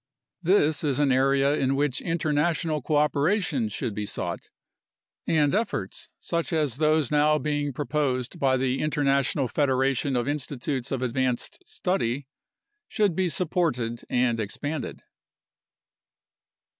This is an area in which international cooperation should be sought, and efforts such as those now being proposed by the International 94 UNDERSTANDING CLIMATIC CHANGE Federation of Institutes of Advanced Study should be supported and expanded.